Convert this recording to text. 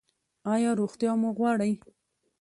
ایا روغتیا مو غواړئ؟